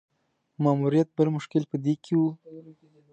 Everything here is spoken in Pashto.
ماموریت بل مشکل په دې کې وو.